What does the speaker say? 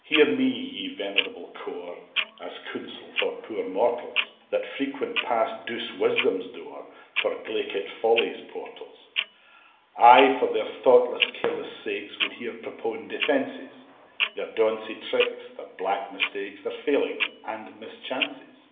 Hear me, ye venerable core, As counsel for poor mortals That frequent pass douce Wisdom's door For glaikit Folly's portals: I, for their thoughtless, careless sakes, Would here propone defences Their donsie tricks, their black mistakes, Their failings and mischances.